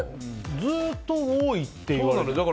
ずっと多いって言われてる。